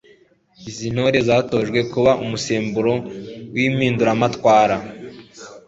izi ni intore zatojwe kuba umusemburo w'impinduramatwara